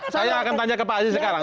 saya akan tanya ke pak aziz sekarang